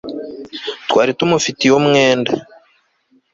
twari tumufitiye umwenda